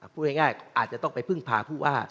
พูดง่ายอาจจะต้องไปพึ่งพาผู้ว่า